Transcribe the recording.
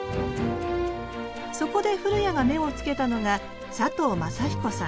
そこで古屋が目をつけたのが佐藤雅彦さん。